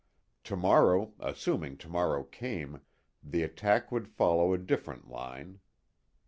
Tomorrow, assuming tomorrow came, the attack would follow a different line.